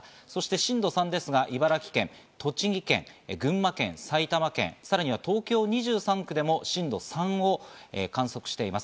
震度３ですが、茨城県、栃木県、群馬県、埼玉県、さらには東京２３区でも震度３を観測しています。